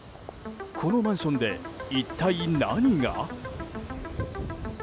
このマンションで一体何が？